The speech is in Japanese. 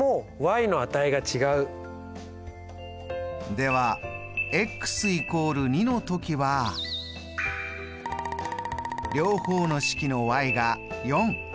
では＝２の時は両方の式のｙが４。